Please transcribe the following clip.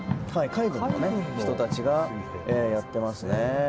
海軍の人たちがやってますね。